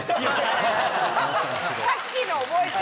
さっきの覚えてる！